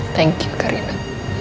terima kasih karinda